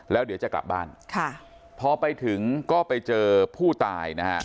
แล้วเดี๋ยวจะกลับบ้านค่ะพอไปถึงก็ไปเจอผู้ตายนะฮะ